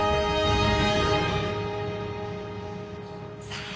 さあ